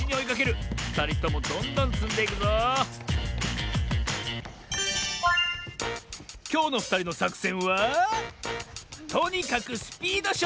ふたりともどんどんつんでいくぞきょうのふたりのさくせんはとにかくスピードしょうぶ！